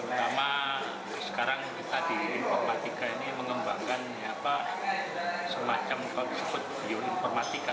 terutama sekarang kita di informatika ini mengembangkan semacam kalau disebut bioinformatika